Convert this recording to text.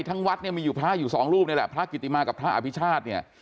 ทั้งวัดมีพระอยู่สองรูปนี่แหละพระกิติมากับพระอภิชาตน์เนี่ย